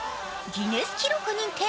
ギネス記録認定、